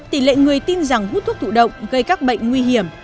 tỷ lệ người tin rằng hút thuốc thụ động gây các bệnh nguy hiểm